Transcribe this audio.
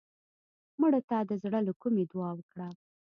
مړه ته د زړه له کومې دعا وکړه